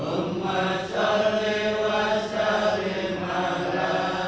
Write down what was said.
ummah syari' wa syari' mala